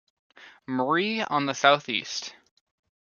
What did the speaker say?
Marie on the southeast.